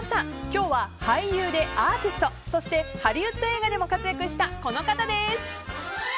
今日は俳優でアーティストそして、ハリウッド映画でも活躍したこの方です。